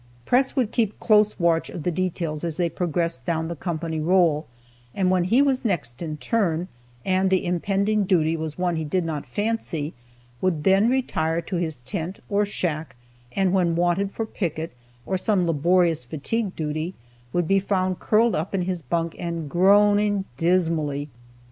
Press would keep close watch of the details as they progressed down the company roll, and when he was next in turn, and the impending duty was one he did not fancy, would then retire to his tent or shack, and when wanted for picket, or some laborious fatigue duty, would be found curled up in his bunk and groaning dismally.